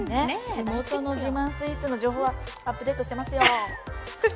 地元の自慢スイーツの情報はアップデートしてますよ。